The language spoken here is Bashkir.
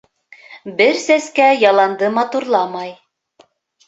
Бер сәскә яланды матурламай.